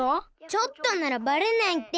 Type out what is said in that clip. ちょっとならばれないって。